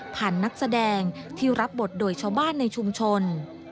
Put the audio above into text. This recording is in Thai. นักแสดงที่รับบทโดยชาวบ้านในชุมชน